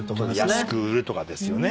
安く売るとかですよね。